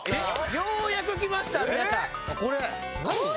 ようやくきました皆さん。